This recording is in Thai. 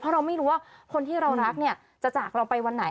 เพราะเราไม่รู้ว่าคนที่เรารักเนี่ยจะจากเราไปวันไหน